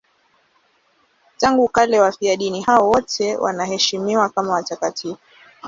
Tangu kale wafiadini hao wote wanaheshimiwa kama watakatifu.